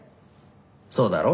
そうだろう？